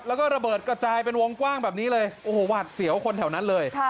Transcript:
แล้วก็ระเบิดกระจายเป็นวงกว้างแบบนี้เลยโอ้โหหวาดเสียวคนแถวนั้นเลย